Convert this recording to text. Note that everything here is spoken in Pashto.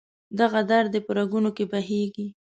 دغه درد دې په رګونو کې بهیږي